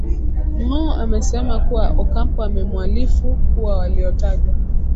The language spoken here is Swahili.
ngo amesema kuwa ocampo amemwalifu kuwa waliotajwa